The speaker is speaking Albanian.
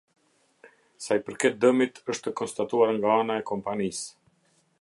Sa i përket dëmit është konstatuar nga ana e kompanisë.